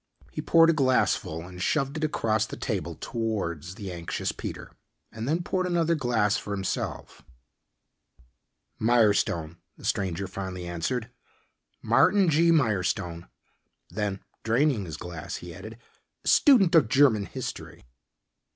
He poured a glass full and shoved it across the table towards the anxious Peter, and then poured another glass for himself. "Mirestone," the stranger finally answered, "Martin G. Mirestone." Then, draining his glass, he added, "Student of German history."